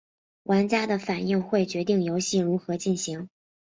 玩家的反应会决定游戏如何进行。